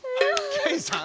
ケイさん？